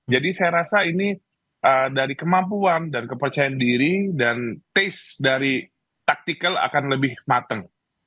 jadi saya rasa ini dari kemampuan dan kepercayaan diri dan taste dari tactical akan lebih mateng